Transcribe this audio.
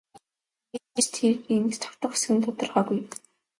Тэгээд ч тэр энд тогтох эсэх нь тодорхойгүй.